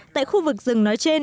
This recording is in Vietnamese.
tại khu vực rừng nói chung